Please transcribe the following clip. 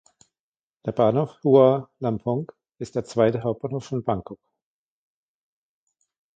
Der Bahnhof Hua Lamphong ist der zweite Hauptbahnhof von Bangkok.